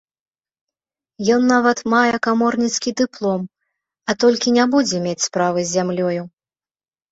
Ён нават мае каморніцкі дыплом, а толькі не будзе мець справы з зямлёю.